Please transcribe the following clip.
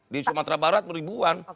di sumatera barat ribuan